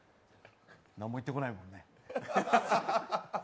何も言ってこないもんね。